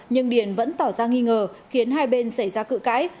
nhưng điền vẫn tỏ ra nghi ngờ khiến hai bên xảy ra cự cãi